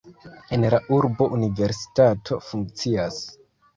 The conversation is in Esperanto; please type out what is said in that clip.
En la urbo universitato funkcias.